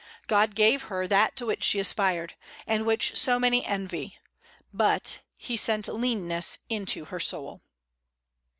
God gave her that to which she aspired, and which so many envy; but "He sent leanness into her soul."